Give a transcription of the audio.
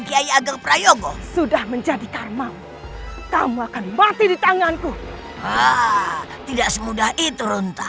kyai ageng prayogo sudah menjadi karmamu kamu akan mati di tanganku tidak semudah itu runtah